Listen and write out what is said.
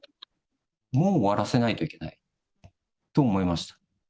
もう終わらせないといけないと思いました。